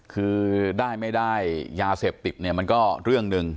คือได้ไม่ได้ยาเสพติดเนี่ยมันก็เรื่องหนึ่ง